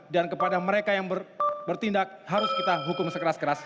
dan kepada mereka yang bertindak harus kita hukum sekeras kerasnya